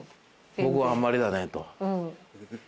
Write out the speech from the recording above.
僕はあんまりだねと。